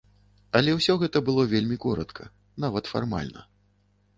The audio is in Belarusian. Але ўсё гэта было вельмі коратка, нават фармальна.